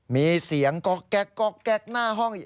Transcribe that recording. มีเสียงก็แก๊กก็แก๊กหน้าห้อง